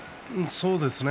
そうですね。